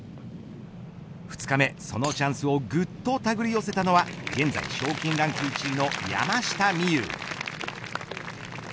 ２日目、そのチャンスをぐっとたぐり寄せたのは現在賞金ランク１位の山下美夢有。